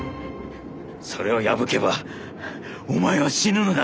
それを破けばお前は死ぬのだぞ。